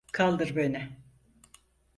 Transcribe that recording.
Kaldır beni.